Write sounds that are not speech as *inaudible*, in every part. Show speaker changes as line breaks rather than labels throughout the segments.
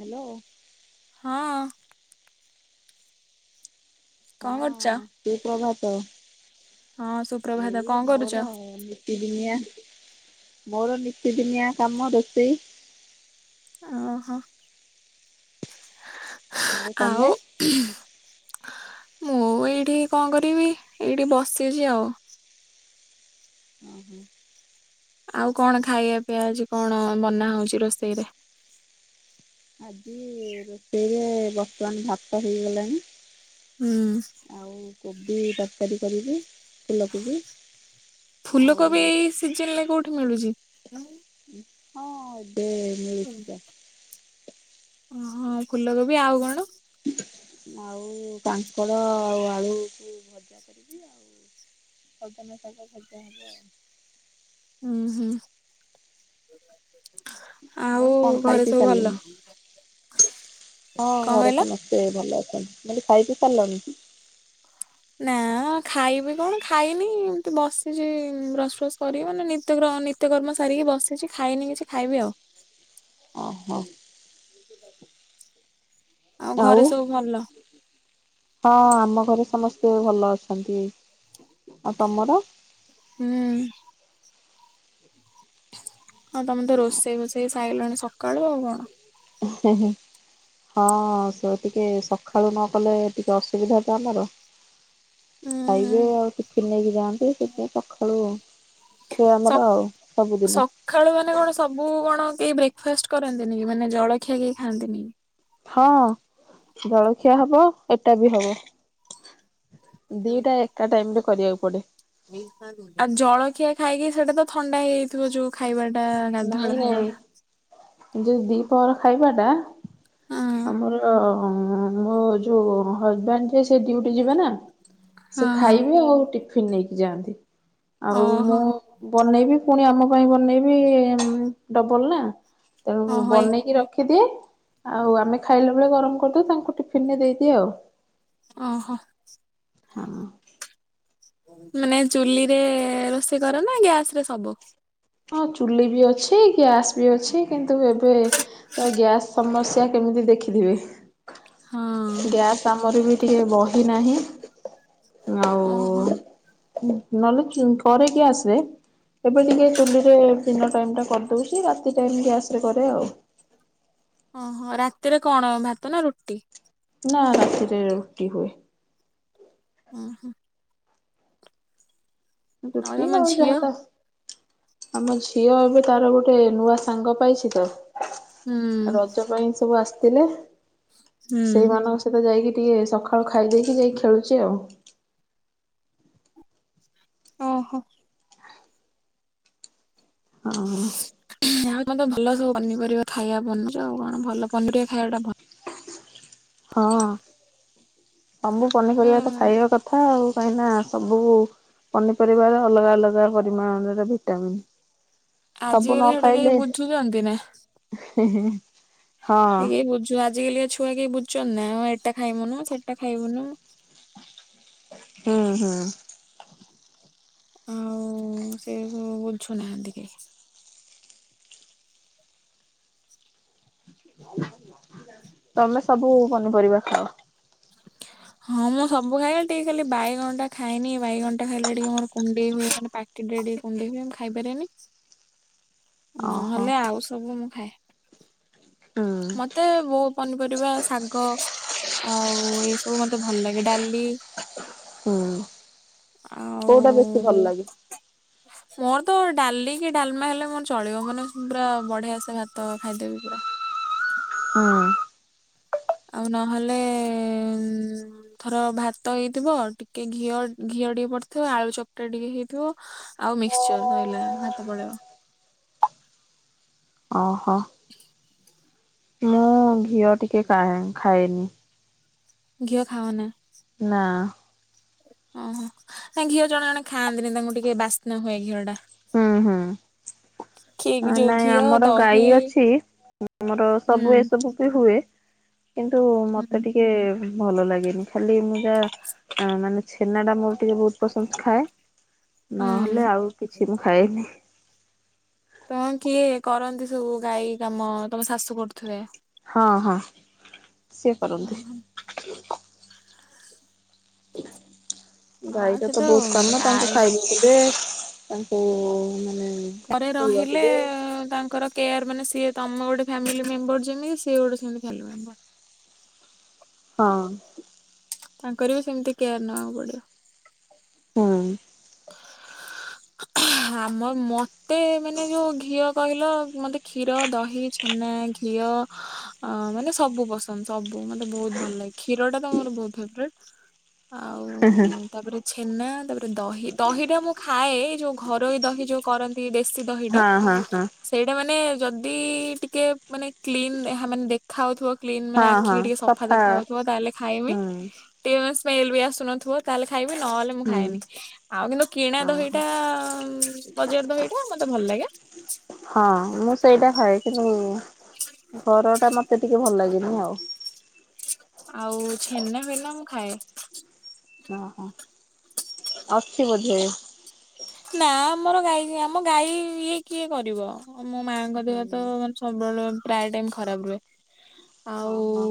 Hello.
ହଁ ଅଁ। କଣ
ହଁ,
କରୁଛ?
ସୁ ପ୍ରଭାତ।
ହଁ, ସୁପ୍ରଭାତ କଣ କରୁଚ?
ନିତିଦିନିଆ, ମୋର ନିତିଦିନିଆ କାମ ରୋଷେଇ।
ଅଁ ହଁ, ଆଉ ମୁଁ ଏଇଠି କଣ କରିବି? ଏଇଠି ବସିଚି ଆଉ।
ଉଁ ହୁଁ।
ଆଉ କଣ ଖାଇବା ପିଇବା ଆଜି କଣ, ବନା ହଉଚି ରୋଷେଇରେ?
ଆଜି ରୋଷେଇରେ ବର୍ତ୍ତମାନ ଭାତ ହେଇଗଲାଣି।
ହୁଁ।
ଆଉ କୋବି ତରକାରୀ କରିବି। ଫୁଲକୋବି ଆଉ
ଫୁଲକୋବି
ହଉଛି
ଏଇ ସିଜିନ ରେ କୋଉଠି ମିଳୁଚି?
ହଁ, ଏବେ ମିଳୁଛି ତ।
ଓହଁ, ଫୁଲକୋବି ଆଉ କଣ?
ଆଉ କାଙ୍କଡ଼ ଆଉ ଆଳୁକୁ ଭଜା କରିବି ଆଉ। ସଜନ ଶାଗ ଭଜା ହବ ଆଉ।
ଉଁ ହୁଁ। ଆଉ
କଣ ଖାଇ
ଘରେ
ପିଇ
ସବୁ ଭଲ।
ସାରିଲେଣି? ହଁ
କଣ
ଘରେ
କହିଲ?
ସମସ୍ତେ ଭଲ ଅଛନ୍ତି। ବୋଲେ ଖାଇ ପିଇ ସାରିଲଣି?
ନା ଖାଇବି କଣ ଖାଇନି ଏମିତି ବସିଚି ବ୍ରସ ଫ୍ରସ୍ କରିବି ମାନେ ନିିତ୍ୟ କ୍ରମ ନି ନିତ୍ୟ କର୍ମ ସାରିକି ବସିଚି ଖାଇନି କିଛି ଖାଇବି ଆଉ।
ଓ ହୋ।
ଆଉ ଘରେ ସବୁ ଭଲ।
ହଁ ଆମ ଘରେ ସମସ୍ତେ ଭଲ ଅଛନ୍ତି। ଆଉ ତମର?
ହୁଁ। ଆ ତମେ ତ ରୋଷେଇ ଫୋଷେଇ ସାଇଲଣି ସକାଳୁ ଆଉ କଣ।
ହୁଁ ହୁଁ। ହଁ ସେ ଟିକେ ସଖାଳୁ ନ କଲେ ଟିକେ ଅସୁବିଧା ତ ଆମର।
ହୁଁ ହୁଁ
ଖାଇବେ ଆଉ ଟିଫିନ୍ ନେଇକି ଯାଆନ୍ତି। ସେଇଥି ପାଇଁ ସଖାଳୁ ଖେ ଆମର ଆଉ ସବୁଦିନ।
ଖାଳୁ ମାନେ କଣ ସବୁ କଣ କେହି ବ୍ରେକଫାଷ୍ଟ କରନ୍ତିନିକି ମାନେ ଜଳଖିଆ କେହି ଖାଆନ୍ତିନି?
ହଁ ଜଳଖିଆ ହବ ଏଟା ବି ହବ। ଦିଟା ଏକା ଟାଇମ ରେ କରିବାକୁ ପଡେ।
ଆଉ ଜଳଖିଆ ଖାଇକି ସେଟା ତ ଥଣ୍ଡା ହେଇହେଇ ଥିବ ଯୋଉ ଖାଇବାଟା ଗାଧୁଆଳ
ନାଇଁ
ଖାଇବାଟା
ନାଇଁ ଯୋଉ ଦିପହର ଖାଇବା ଟା
ହଁ
ଆମର ମୋ ଯୋଉ ହଜବେଣ୍ଡ ଯେ ସେ ଡିଉଟି ଯିବେ ନା। ସେ
ହଁ ହଁ
ଖାଇବେ ଆଉ ଟିଫିନ ନେଇକି ଯାଆନ୍ତି। ଆଉ ମୁଁ
ଓହୋ
ବନେଇବି ପୁଣି ଆମ ପାଇଁ ବନେଇବି ଉଁ ଡବଲ ନା। ତେଣୁ
ଓହୋ ଏ
ବନେଇକି ରଖିଦିଏ ଆଉ ଆମେ ଖାଇଲା ବେଳେ ଗରମ କରିଦଉ। ତାଙ୍କୁ ଟିଫିନରେ ଦେଇଦିଏ ଆଉ।
ଅ ହଁ।
ହଁ।
ମାନେ ଚୁଲିରେ ରୋଷେଇ କର ନା ଗ୍ୟାସ ରେ ସବୁ?
ହଁ ଚୁଲି ବି ଅଛି ଗ୍ୟାସ୍ ବି ଅଛି। କିନ୍ତୁ ଏବେ ତ ଗ୍ୟାସ୍ ସମସ୍ୟା କେମିତି ଦେଖିଥିବେ।
ହଁ
ଗ୍ୟାସ୍ ଆମର ବି ଟିକେ ବହି ନାହିଁ। ଆଉ
ଓହୋ
ଉଁ ନହେଲେ ଚୁ କରେ ଗ୍ୟାସ୍ ରେ ଏବେ ଟିକେ ଚୁଲିରେ ଦିନ ଟାଇମ ଟା କରିଦଉଚି। ରାତି ଟାଇମ ଗ୍ୟାସ ରେ କରେ ଆଉ।
ଅଁ ହଁ ରାତିରେ କଣ ଭାତ ନା ରୁଟି?
ନା ରାତିରେ ରୁଟି ହୁଏ।
ଉଁ ହୁଁ।
ରୁଟି
ତମ
ଆଉ
ଝିଅ
ଯାହା ତାହା ଆମ ଝିଅ ଏବେ ତାର ଗୋଟେ ନୂଆ ସାଙ୍ଗ ପାଇଛି ତ।
ହୁଁ
ରଜ ପାଇଁ ସବୁ ଆସିତିଲେ।
ହୁଁ
ସେଇମାନଙ୍କ ସ ସେ ତ ଯାଇକି ଟିକେ ସଖାଳୁ ଖାଇ ଦେଇକି ଯାଇକି ଖେଳୁଚି ଆଉ।
ଓହୋ।
ହଁ।
ଆଉ ମତେ ଭଲ ସବୁ ପନିପରିବା ଖାଇବା ପନିର ଆଉ କଣ ଭଲ ପନି ପରିବା ଖାଇବା ଟା ଭଲ।
ହଁ ସବୁ
ମାନେ
ପନିପରିବା ତ ଖାଇବା କ ଥାଉ କାହିଁକି ନା ସବୁ କୁ ପନିପରିବାର ଅଲଗା ଅଲଗା ପରିମାଣରେରେ ଭିଟାମିନ୍।
ଆଜିକାଲି ହେଟା କେହି ବୁଝୁଚନ୍ତି ନା।
ହିଁ-ହିଁ-ହିଁ।
ସେ କେହି ବୁଝୁ ଆଜି କାଲିିକା ଛୁଆ କେହି ବୁଚନା। ଆଁ ଏଟା ଖାଇମୁନୁ ସେଟା ଖାଇବୁନୁ।
ହଁ ହଁ।
ଆଉ ସେ ସବୁ ବୁଝୁନାହାନ୍ତି କେହି।
ତମେ ସବୁ ପନିପରିବା ଖାଅ?
ଆ *unintelligible* ହଁ ମୁଁ ସବୁ ଖାଏ। ଖାଲି ଟିକେ ଖାଲି ବାଇଗଣ ଟା ଖାଏନି। ବାଇଗଣ ଟା ଖାଇଲେ ଟିକେ ମୋର କୁଣ୍ଡେଇ ହୁଏ। ମାନେ ପା ସେଇଟା ଟିକେ କୁଣ୍ଡେଇ ହୁଏ। ମୁଁ ଖାଇପାରେନି।
ଓହୋ।
ନହେଲେ ଆଉ ସବୁ ମୁଁ ଖାଏ।
ହୁଁ
ମତେ ବୋହୁ ପନିପରିବା ଶାଗ ଆଉ ଏସବୁ ମତେ ଭଲ ଲାଗେ। ଡାଲି ହି
ହୁଁ କୋଉଟା ବେଶୀ ଭଲ
ଆଉ
ଲାଗେ?
ମୋର ତ ଡାଲି କି ଡାଲମା ହେଲେ ମୋର ଚଳିବ। ମାନେ ପୁରା ବଢିଆ ସେ ଭାତ ଖାଇଦେବି ପୁରା।
ହୁଁ।
ଆଉ ନହେଲେ ଉଁ ଥର ଭାତ ଏଇଥିବ। ଟିକେ ଘିଅ-ଘିଅ ଟିକେ ପଡିଥିବ। ଆଳୁ ଚକଟା ଟିକେ ହେଇଥିବ। ଆଉ ମିକ୍ସଚର୍ ଧଇଲା ଭାତ ପଳେଇବ।
ଓହୋ। ମୁଁ ଘିଅ ଟିକେ କା ଖାଏନି।
ଘିଅ ଖାଅନା?
ନା।
ଓହୋ। ନା ଘିଅ ଜଣେ ଜଣେ ଖାଆନ୍ତିନି ତାଙ୍କୁ ଟିକେ ବାସ୍ନା ହୁଏ ଘିଅ ଟା।
ହୁଁ ହୁଁ।
ଖି
ଆ
ଯୋଉ
ନାଇଁ
ଘିଅ
ଆମର
ଦହି
ଗାଈ ଅଛି। ଆମର ସବୁ
ହୁଁ
ଏସବୁ ବି ହୁଏ, କିନ୍ତୁ
ହୁଁ
ମତେ ଟିକେ ଭଲ ଲାଗେନି। ଖାଲି ମୁମ ଯା ଆ ମାନେ ଛେନା ଟା ମୋର ଟିକେ ବୋହୁତ୍ ପସନ୍ଦ ଖାଏ। ନହେଲେ
ହୁଁ
ଆଉ କିଛି ଏଇ ନି
ତମ କିଏ କରନ୍ତି ସବୁ ଗାଈ କାମ ତମ ଶାଶୁ କରୁଥିବେ?
ହଁ ହଁ। ସିଏ କରନ୍ତି।
ଓହୋ ଆଉ
ଗାଈଟା
ସେ
ତ ବୋହୁତ୍ କାମ ତାଙ୍କୁ
ଗାଈ
ଖାଇବ ଦେବେ। ତାଙ୍କୁ ମାନେ
ଘରେ
ପିଇବାକୁ
ରହିଲେ
ଦେ
ତାଙ୍କର କେୟାର ମାନେ ସେ ତମେ ଗୋଟେ ଫ୍ଯାମିଲି ମେମ୍ବର ଯେମିତି, ସିଏ ଗୋଟେ ସେମିତି ଫାଲି ମେମ୍ବର।
ହଁ।
ତାଙ୍କର ବି ସେମିତି କେୟାର ନବାକୁ ପଡିବ।
ହଁ।
ହଁ ମ ମୋତେ ମାନେ ଯେଉଁ ଘିଅ କହିଲ, ମୋତେ କ୍ଷୀର, ଦହି, ଛେନା, ଘିଅ ଅ ମାନେ ସବୁ ପସନ୍ଦ ସବୁ ମତେ ବୋହୁତ୍ ଭଲ ଲାଗେ। କ୍ଷୀର ଟା ତ ମୋର ବୋହୁତ୍ ଫେବରେଟ୍, ଆଉ
ହେଁ ହେଁ
ତାପରେ ଛେନା, ତାପରେ ଦହି, ଦହି ଟା ମୁଁ ଖାଏ। ଯୋଉ ଘରୋଇ ଦହି ଯୋଉ କରନ୍ତି ଦେ ସି, ଦହିଟା
ହଁ ହଁ ହଁ
ସେଇଟା ମାନେ ଯଦି ଟିକେ ମାନେ କ୍ଲିନ୍ ମାନେ ଦେ ଖା ହୋଉଥିବ କ୍ଲିନ ମାନେ
ହଁ ହଁ
ଆଖିକି ଟିକେ ସଫା ଦେଖା ହୋଉଥିବ ତାହେଲେ ଖାଇମି।
ହୁଁ
*unintelligible* ସ୍ମେଲ ବି ଆସୁନଥିବ ତାହେଲେ ଖାଇବି ନହେଲେ ମୁଁ
ହୁଁ।
ଖାଏନି। ଆଉ କିନ୍ତୁ କିଣା
ଓହୋ
ଦହିଟା ବଜାର ଦହିଟା ମତେ ଭଲ ଲାଗେ।
ହଁ ମୁଁ ସେଇଟା ଖାଏ। କିନ୍ତୁ ଘର ଟା ମତେ ଟିକେ ଭଲ ଲାଗେନି ଆଉ।
ଆଉ ଛେନା ଫେନା ମୁଁ ଖାଏ।
ଓହୋ ଅଛି ବୋଧେ।
ନା ଆମର ଗାଈ ଆମ ଗାଈ ଇଏ କିଏ କରିବ ମୋ ମାଙ୍କ ଦେହ ତ ମାନେ ସବୁବେଳେ ପ୍ରାୟ ଟାଇମ ଖରାପ ରୁହେ ଆଉ
ଓହୋ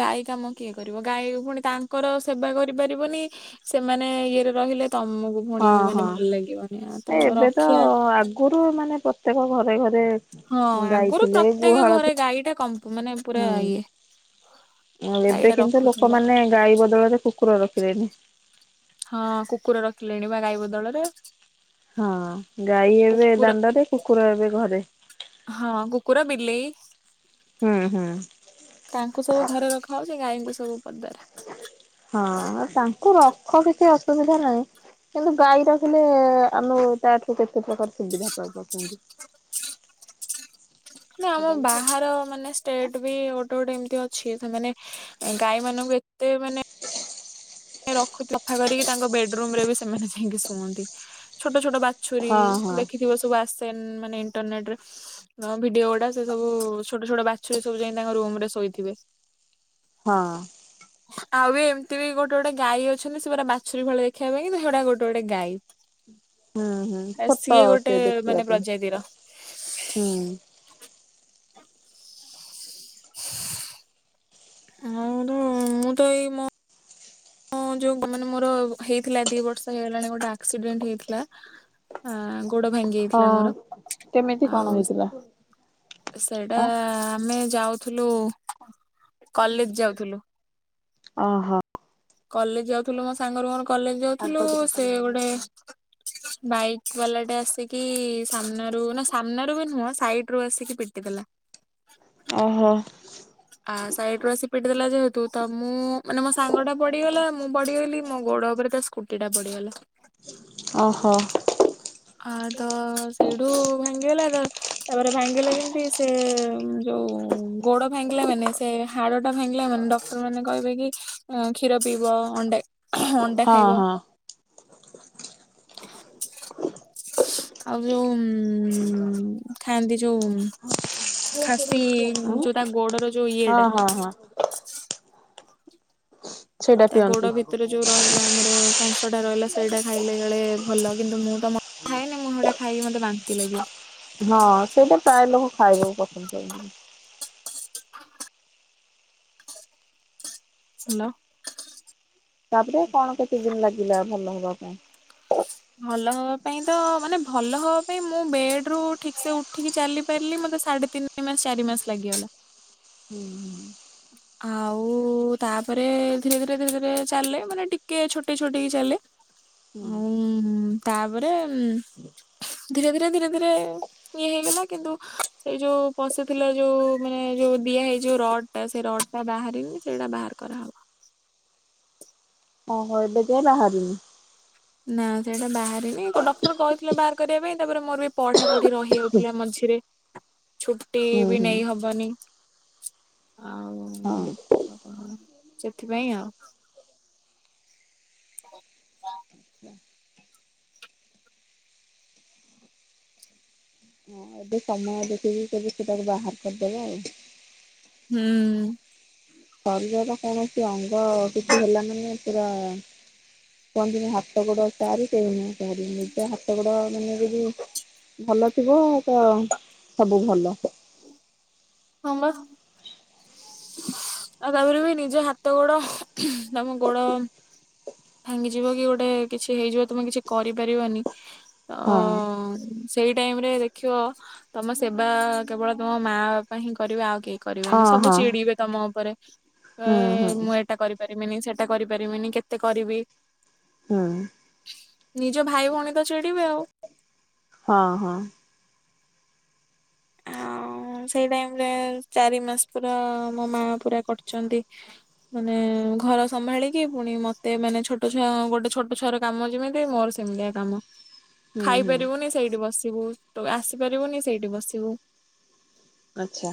ଗାଈ କାମ କିଏ କରିବ ଗାଈ ପୁଣି ତାଙ୍କର ସେବା କରିପାରିବନି ସେମାନେ ଇଏରେ ରହିଲେ ତମକୁ ପୁଣି
ହଁ
ମାନେ
ହଁ।
ଭଲ ଲାଗିବନି ତ ରଖିବା
ଗରୁ ମାନେ ପ୍ରତ୍ୟେକ ଘରେ ଘରେ
ହଁ
ଗାଈ
ଆଗରୁ
ଥିଲେ
ପ୍ରତ୍ୟେକ
ଗୁହାଳ
ଘରେ ଗାଈ ଟା କମ୍ପ ମାନେ ପୁରା
ହୁଁ
ଇଏ।
ଏବେ
ଗାଈଟା
କିନ୍ତୁ
ରଖୁଥିଲେ
ଲୋକମାନେ ଗାଈ ବଦଳରେ କୁକୁର ରଖିଲେନି।
ହଁ କୁକୁର ରଖିଲେଣି ବା ଗାଈ ବଦଳରେ।
ହଁ ଗାଈ ଏବେ
କୁକୁର
ଦାଣ୍ଡରେ କୁକୁର ଏବେ ଘରେ।
ହଁ କୁକୁର ବିଲେଇ।
ହୁଁ ହୁଁ।
ତାଙ୍କୁ ସବୁ ଘରେ ରଖା ହୋଉଛି ଗାଈଙ୍କୁ ସବୁ ପଦାରେ।
ହଁ ତାଙ୍କୁ ରଖ କିଛି ଅସୁବିଧା ନାହିଁ। କିନ୍ତୁ ଗାଈ ରଖିଲେ ଆମେ ତା ଠୁ କେତେ ପ୍ରକାର ସୁବିଧା ପାଇପାରୁଛନ୍ତି।
ଆମ
ମୋବାଇଲ ନବ।
ବାହାର ମାନେ ଷ୍ଟେଟ ବି ଗୋଟେ ଗୋଟେ ଏମିତି ଅଛି ସେମାନେ ଗାଈ ମାନଙ୍କୁ ଏତେ ମାନେ ରଖ ସଫା କରିକି ତାଙ୍କ ବେଡରୁମ ରେ ବି ସେମାନେ ଯାଇକି ଶୁଅନ୍ତି। ଛୋଟ ଛୋଟ ବା ଛୁରୀ
ହଁ ହଁ
ଦେଖିଥିବ ସବୁ ଆସେନ ମାନେ ଇଣ୍ଟରନେଟରେ। ଭିଡିଓ ଗୁଡା ସେ ସବୁ ଛୋଟ ଛୋଟ ବାଛୁରୀ ସବୁ ଯାଇ ତାଙ୍କ ରୁମରେ ଶୋଇଥିବେ।
ହଁ।
ଆଉ ବି ଏମିତି ବି ଗୋଟ ଗୋଟେ ଗୋଟେ ଗାଈ ଅଛନ୍ତି ସେ ପୁରା ବାଛୁରୀ ଭଳି ଦେଖିବା ପାଇଁ କିନ୍ତୁ ହେଉଡା ଗୋଟେ ଗୋଟେ ଗାଈ।
ହୁଁ ହୁଁ ଛୋଟ
ସିଏ ଗୋଟେ
ସେ ଦେଖିବା
ମାନେ
ପାଇଁ
ପ୍ରଜାତିର।
ହୁଁ।
ଆଉ ମୁଁ ତ ଏଇ ହଁ ଯୋଉ ମାନେ ମୋର ହେଇଥିଲା ଦି ବର୍ଷ ହେଇଗଲାଣି ଗୋଟେ ଆକ୍ସିଡେଣ୍ଟ ହେଇଥିଲା ଆ ଗୋଡ ଭାଙ୍ଗି ଯାଇଥିଲା ମୋର
ହଁ କେମିତି କଣ
ଆଉ
ହେଇଥିଲା
ସେଇଟା
ଆ
ଆମେ ଯାଉଥୁଲୁ କଲେଜ ଯାଉଥୁଲୁ।
ଓହୋ।
କଲେଜ ଯାଉଥୁଲୁ ମୋ ସାଙ୍ଗର ମୋର କଲେଜ ଯାଉଥୁଲୁ
ଶାଗ ଦିଟା
ସେ
ପାଲଙ୍ଗ
ଗୋଟେ ବାଇକ୍ ବାଲାଟା ଆସିକି ସାମ୍ନାରୁ ନା ସାମ୍ନାରୁ ବି ନୁହଁ ସାଇଡ ରୁ ଆସିକି ପିଟି ଦେଲା।
ଓହୋ।
ଆ ସାଇଟରୁ ଆସି ପିଟି ଦେଲା ଯେହେତୁ ତ ମୁଁ ମାନେ ମୋ ସାଙ୍ଗ ଟା ପଡିଗଲା ମୁଁ ପଡିଗଲି ମୋ ଗୋଡ ଉପରେ ତା ସ୍କୁଟି ଟା ପଡିଗଲା।
ଓହୋ।
ଆ ତ ସେଇଠୁ ଭାଙ୍ଗିଗଲା ତ ତାପରେ ଭାଙ୍ଗିଲା ଯେମିତି ସେ ଯୋଉ ଗୋଡ ଭାଙ୍ଗିଲା ମାନେ ସେ ହାଡ ଟା ଭାଙ୍ଗିଲା ମାନେ ଡ ମାନେ କହିବେ କି କ୍ଷୀର ପିଇବ ଅଣ୍ଡ ଅଣ୍ଡା
ହଁ
ଖାଇବ
ହଁ
ଆଉ ଯୋଉ ଖାଆନ୍ତି ଯୋଉ ଖାସି
ଉଁ
ଯୋଉ ତା ଗୋଡର ଯୋଉ
ହଁ
ଇଏଟା
ହଁ ହଁ। ସେଇଟା
ତା ଗୋଡ
ପିଅନ୍ତି
ଭିତରେ ଯୋଉ ରହିଲା ଆମର ସଂସଟା ରହିଲା ସେଇଟା ଖାଇଲେ କାଳେ ଭଲ କିନ୍ତୁ ମୁଁ ତ ମଟ ଖାଏ ନା ମୁଁ ହେଟା ଖାଇବି ମତେ ବାନ୍ତି ଲାଗିବ।
ହଁ ସେଇଟା ପ୍ରାୟ ଲୋକ ଖାଇବାକୁ ପସନ୍ଦ କରନ୍ତିନି।
ହାଲୋ।
ତାପରେ କଣ କେତେ ଦିନ ଲାଗିଲା ଭଲ ହବା ପାଇଁ?
ଭଲ ହବା ପାଇଁ ତ ମାନେ ଭଲ ହବା ପାଇଁ ମୁଁ ବେଡରୁ ଠିକ୍ ସେ ଉ ଠିକି ଚାଲି ପାରିଲି ମତେ ସାଢେ ତିନି ମାସ ଚାରି ମାସ ଲାଗିଗଲା।
ହୁଁ ହୁଁ।
ଆଉ ତାପରେ ଧୀରେ ଧୀରେ ଧୀରେ ଧୀରେ ଚାଲେ ମାନେ ଟିକେ ଛୋଟେଇ ଛୋଟେଇକି ଚାଲେ।
ହୁଁ।
ଉଁ ତାପରେ ଧୀରେ ଧୀରେ ଧୀରେ ଧୀରେ ଇଏ ହେଇଗଲା କିନ୍ତୁ ଏଇ ଯୋଉ ପଶିଥିଲା ଯୋଉ ମାନେ ଯୋଉ ଦିଆ ହେଇ ଯୋଉ ରଡ୍ ସେ ରଡ୍ ଟା ବାହାରିନି ସେଇଟା ବାହାର କରାହବ।
ଓହୋ ଏବେ ଯାଏ ବାହାରିନି।
ନା ସେଇଟା ବାହାରିନି ଡକ୍ଟର କହିଥିଲେ ବାହାର କରିବା ପାଇଁ ତାପରେ ମୋର ବି ପଢା ପଢି ରହିଯାଉଥିଲା ମଝିରେ ଛୁଟି
ହୁଁ
ବି
ହୁଁ
ନେଇ ହବନି। ଆଉ
ହଁ।
*unintelligible* ସେଥିପାଇଁ ଆଉ। *unintelligible*
ହଁ ଏବେ ସମୟ ଦେଖିକି କେବେ ସେଟାକୁ ବାହାର କରିଦେବେ ଆଉ।
ହୁଁ।
ଶରୀରର କୌଣସି ଅଙ୍ଗ କିଛି ହେଲା ମାନ ପୁରା କୁହନ୍ତିନି ହାତ ଗୋଡ ଚାରି କେହିନୁହେଁ କାହାରି ନିଜ ହାତ ଗୋଡ ମାନେ ଯଦି ଭଲ ଥିବ ତ ସବୁ ଭଲ।
ହଁ ବା। ଆଉ ତାପରେ ବି ନିଜ ହାତ ଗୋଡ ତମ ଗୋଡ ଭାଙ୍ଗିଯିବ କି ଗୋଟେ କିଛି ହେଇଯିବ ତମେ କିଛି କରିପାରିବନି। ଅ
ହଁ
ସେଇ ଟାଇମ୍ ରେ ଦେଖିବ ତମ ସେବା କେବଳ ତମ ମା ବାପା ହିଁ କରିବେ ଆଉ କେହି
ହଁ
କରିବେନି। ସବୁ
ହଁ
ଚିଡିବେ ତମ ଉପରେ ଏ
ହୁଁ ହୁଁ
ମୁଁ ଏଟା କରି ପାରିମିନି ସେଟା କରିପାରିମିନି କେତେ କରିବି।
ହୁଁ।
ନିଜ ଭାଇ ଭଉଣୀ ତ ଚିଡିବେ ଆଉ।
ହଁ ହଁ।
ଆଉଁ ସେଇ ଟାଇମ୍ ରେ ଚାରି ମାସ ପୁରା ମୋ ମା ପୁରା କଡିଚନ୍ତି। ମାନେ ଘର ସମ୍ଭାଳିକି ପୁଣି ମତେ ମାନେ ଛୋଟ ଛୁଆ ଗୋଟେ ଛୋଟ ଛୁଆର କାମ ଯେମିତି ମୋର ସେ ମିତିଆ କାମ।
ହୁଁ ହୁଁ
ଖାଇପାରିବୁନି ସେଇଠି ବସିବୁ ତୁ ଆସିପାରିବୁନି ସେଇଠି ବସିବୁ।
ଆଚ୍ଛା।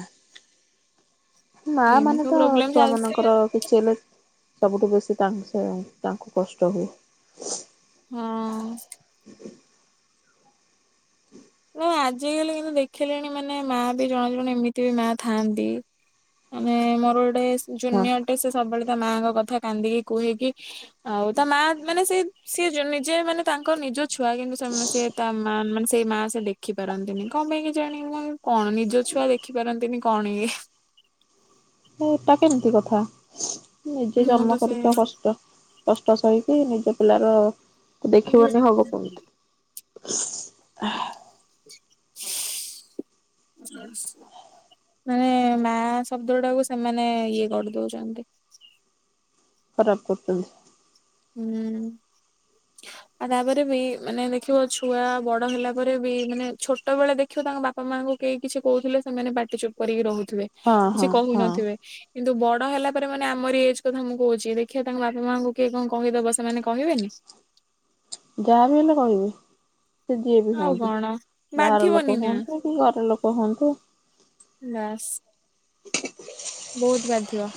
ମା
ଏମିତି
ମାନେ
ସବୁ
ତ
ପ୍ରୋବ୍ଲେମ ଚାଲିଥିଲା
ଛୁଆମାନଙ୍କର କିଛି ହେଲେ ସବୁଠୁ ବେଶୀ ତାଙ୍କୁ ସେ ତାଙ୍କୁ କଷ୍ଟ ହୁଏ।
ହଁ। ନା ଆଜି କାଲି କିନ୍ତୁ ଦେଖିଲେଣି ମାନେ ମା ବି ଜଣେ ଜଣେ ଏମିତି ବି ମା ଥାଆନ୍ତି। ମାନେ ମୋର ଗୋଟେ
ହଁ
ଜୁନିଅରଟେ ସେ ସବୁବେଳେ ତା ମାଆଙ୍କ କଥା କାନ୍ଦିକି କୁହେକି ଆଉ ତା ମା ମାନେ, ସେ ସିଏ ନିଜେ ମାନେ ତାଙ୍କ ନିଜ ଛୁଆ କିନ୍ତୁ ସେ ତା ମା ମାନେ ସେଇ ମା ସେ ଦେଖି ପାରନ୍ତିନି। କଣ ପାଇଁ କେଜାଣି। ମୁଁ କଣ ନିଜ ଛୁଆ ଦେଖିପାରନ୍ତିନି କଣ ଇଏ।
ଏଇଟା କେମିତି କଥା। ନିଜେ
ମୁଁ
ଜନ୍ମ
ତ ସେ
କରିଚ କଷ୍ଟ କଷ୍ଟ ସହିକି ନିଜ ପିଲାର ଦେଖିବନି ହବ କେମିତି। ଆ।
ଆ *inaudible* ମାନେ ମା ଶବ୍ଦ ଟାକୁ ସେମାନେ ଇଏ କରିଦଉଛନ୍ତି।
ଖରାପ କରୁଚ଼ନ୍ତି।
ହୁଁ। ଆଉ ତାପରେ ବି, ମାନେ ଦେଖିବ ଛୁଆ ବଡ ହେଲା ପରେ ବି ମାନେ ଛୋଟ ବେଳେ ଦେଖିବ ତାଙ୍କ ବାପା ବାପା ମାଙ୍କୁ କେହି କିଛି କହୁଥିଲେ ସେମାନେ ପାଟିଚୁପ୍ କରିକି ରହୁଥିବେ।
ହଁ ହଁ
କିଛି
ହଁ
କହୁନଥିବେ। କିନ୍ତୁ ବଡ ହେଲା ପରେ, ମାନେ ଆମରି ଏଜ୍ କଥା ମୁଁ କହୁଛି, ଦେଖିବା ତାଙ୍କ ବାପା ମାଆଙ୍କୁ କିଏ କଣ କହିଦବ ସେମାନେ କହିବେନି?
ଯାହାବି ହେଲେ କହିବି। ସେ ଯିଏ ବି
ଆଉ
ହୁଅନ୍ତୁ।
କଣ
ବାହାର
ବାଧିବନି
ଲୋକ
ନା
ହୁଅନ୍ତୁ, କି ଘର ଲୋକ ହୁଅନ୍ତୁ
ନାସ୍ ବୋହୁତ୍ ବାଧିବ।